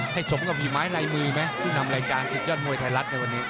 ให้สมกับหญิงไม้ลายมือไหมที่นำรายการสุดยอดมวยไทยรัฐในวันนี้